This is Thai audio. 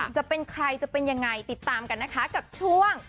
จะเป็นใครจะเป็นยังไงติดตามกันนะคะกับช่วง